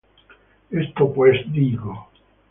Esto pues digo: